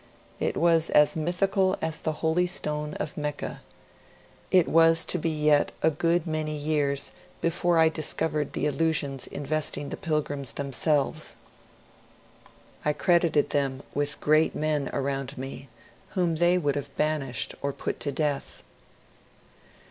It was as mythical as the Holy Stone of Mecca. It was to be yet a good many years before I dis« covered the illusions investing the Pilgrims themselves. I 162 MONCURE DANIEL CONWAY credited them with great men around me, whom they would have banished or put to death.